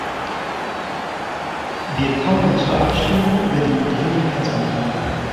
Wir kommen zur Abstimmung über den Dringlichkeitsantrag.